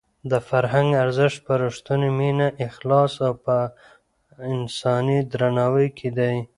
د فرهنګ ارزښت په رښتونې مینه، اخلاص او په انساني درناوي کې دی.